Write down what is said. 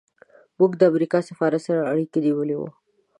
موږ د امریکا سفارت سره اړیکه نیولې وه.